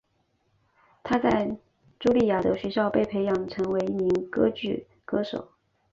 她在朱利亚德学校被培养成为一名歌剧歌手。